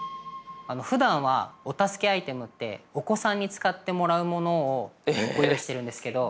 ふだんはお助けアイテムってお子さんに使ってもらうものをご用意してるんですけど。